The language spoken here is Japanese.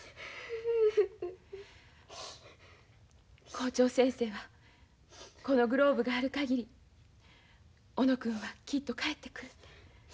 校長先生は「このグローブがある限り小野君はきっと帰ってくる」って。